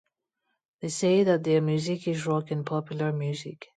They say that their music is rock and popular music.